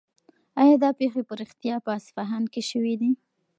آیا دا پېښې په رښتیا په اصفهان کې شوې دي؟